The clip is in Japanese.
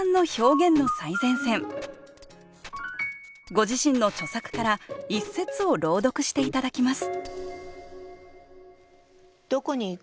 ご自身の著作から一節を朗読して頂きます